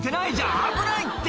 危ないって！